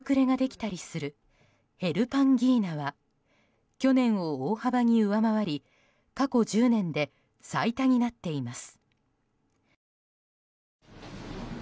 高熱を引き起こしたり口の中に水ぶくれができたりするヘルパンギーナは去年を大幅に上回り過去１０年で最多になっています。